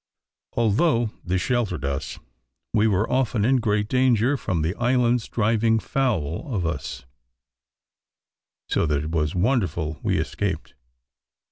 Although this sheltered us, we were often in great danger, from the islands driving foul of us, so that it was wonderful we escaped.